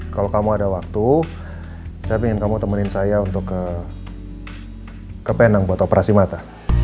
kalau kamu ada waktu saya ingin kamu temenin saya untuk ke penang buat operasi mata